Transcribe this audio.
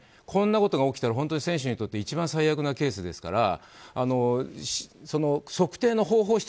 こんなことが起きたら選手にとって一番最悪なケースですから測定の方法